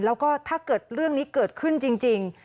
แล้วก็ถ้าเกิดเรื่องนี้เกิดขึ้นจริง